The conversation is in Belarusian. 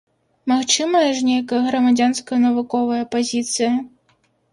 Магчымая ж нейкая грамадзянская, навуковая пазіцыя?